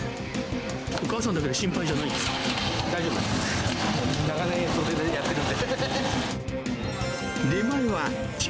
お母さんだけで心配じゃない大丈夫です。